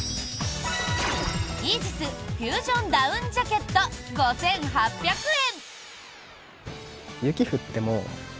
イージスフュージョンダウンジャケット５８００円。